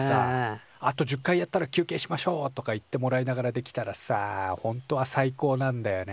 「あと１０回やったら休けいしましょう」とか言ってもらいながらできたらさほんとは最高なんだよね。